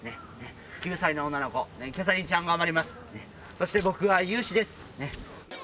そして僕はユウシです。